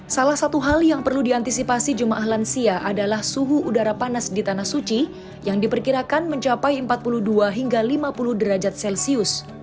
salah satu hal yang perlu diantisipasi jemaah lansia adalah suhu udara panas di tanah suci yang diperkirakan mencapai empat puluh dua hingga lima puluh derajat celcius